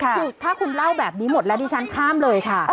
คือถ้าคุณเล่าแบบนี้หมดแล้วดิฉันข้ามเลยค่ะ